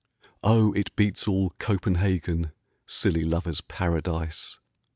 Oh, it beats all "Copenhagen," Silly lovers' paradise!